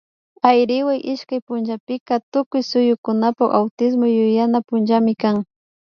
Ayriwa ishkay punllapika tukuy suyukunapak Autismo yuyanata punllami kan